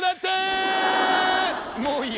もういいよ！